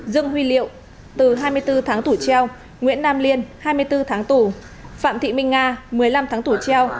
dương huy liệu từ hai mươi bốn tháng tủ treo nguyễn nam liên hai mươi bốn tháng tủ phạm thị minh nga một mươi năm tháng tủ treo